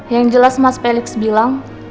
yang jelas mas peliks bilang